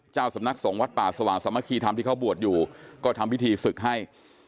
เจ้าสำนักสงฆ์วัดป่าสว่างสมคีธรรมที่เขาบวชอยู่ก็ทำพิธีศึกให้